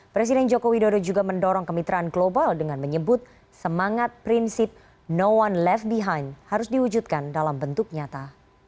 presiden joko widodo juga mendorong kemitraan global dengan menyebut semangat prinsip no one left behind harus diwujudkan dalam bentuk nyata